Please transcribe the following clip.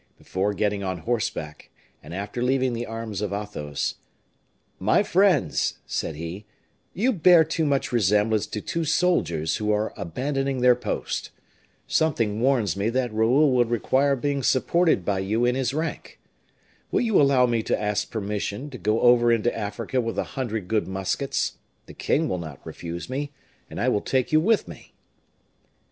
Before getting on horseback, and after leaving the arms of Athos: "My friends," said he, "you bear too much resemblance to two soldiers who are abandoning their post. Something warns me that Raoul will require being supported by you in his rank. Will you allow me to ask permission to go over into Africa with a hundred good muskets? The king will not refuse me, and I will take you with me."